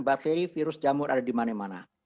bakteri virus jamur ada di mana mana